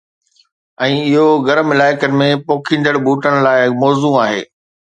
۽ اهو گرم علائقن ۾ پوکيندڙ ٻوٽن لاءِ موزون آهي